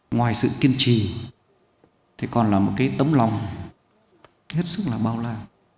ngoài sự kiên trì thì còn là một cái tấm lòng hết sức là bao la